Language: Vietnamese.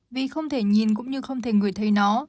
vì không thể nhìn cũng như không thể người thấy nó